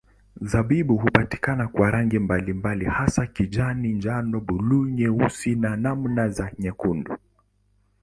Zabibu hupatikana kwa rangi mbalimbali hasa kijani, njano, buluu, nyeusi na namna za nyekundu.